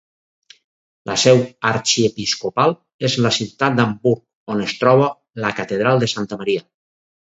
La seu arxiepiscopal és la ciutat d'Hamburg, on es troba la catedral de Santa Maria.